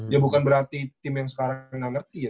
ya bukan berarti tim yang sekarang nggak ngerti ya